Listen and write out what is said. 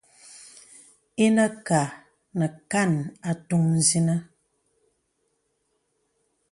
Ìnə kâ nə kan atûŋ sìnə.